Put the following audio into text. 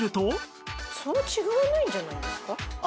そんな違わないんじゃないですか？